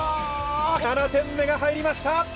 ７点目が入りました。